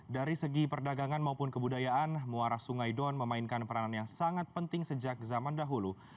dari segi perdagangan maupun kebudayaan muara sungai don memainkan peranan yang sangat penting sejak zaman dahulu